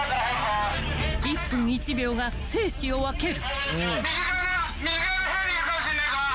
［１分１秒が生死を分ける］